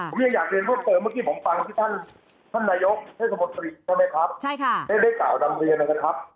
ผมยังอยากเรียนร่วมเติมเมื่อกี้ผมฟังที่ท่านระยกเวทย์สมฤทธิ์ใช่ไหมครับ